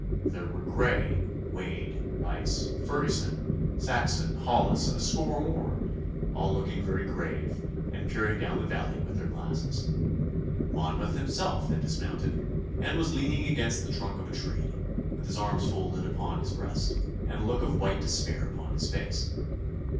There were Grey, Wade, Buyse, Ferguson, Saxon, Hollis, and a score more, all looking very grave, and peering down the valley with their glasses. Monmouth himself had dismounted, and was leaning against the trunk of a tree, with his arms folded upon his breast, and a look of white despair upon his face.